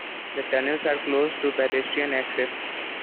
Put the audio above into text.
The tunnels are closed to pedestrian access.